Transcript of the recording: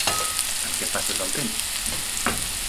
En què passes el temps?